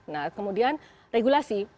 nah kemudian regulasi